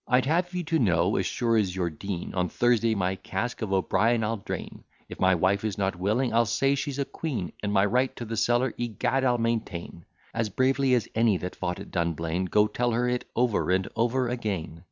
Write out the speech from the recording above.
SHERIDAN'S ANSWER I'd have you to know, as sure as you're Dean, On Thursday my cask of Obrien I'll drain; If my wife is not willing, I say she's a quean; And my right to the cellar, egad, I'll maintain As bravely as any that fought at Dunblain: Go tell her it over and over again.